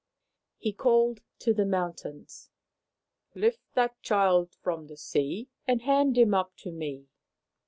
He called to the mountains, " Lift that child from the sea and hand him up to me."